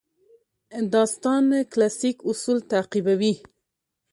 داستان کلاسیک اصول تعقیبوي.